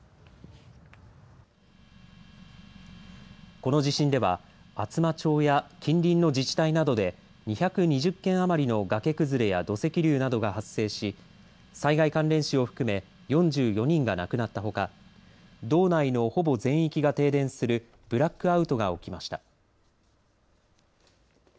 この地震では厚真町や近隣の自治体などで２２０件余りの崖崩れや土石流などが発生し災害関連死を含め４４人が亡くなったほか道内のほぼ全域が停電するブラックアウトが起きました。